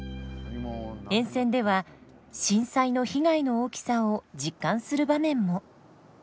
沿線では震災の被害の大きさを実感する場面も。